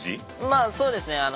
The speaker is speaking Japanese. まあそうですね